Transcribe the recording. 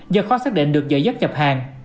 do khó xác định được giờ dắt nhập hàng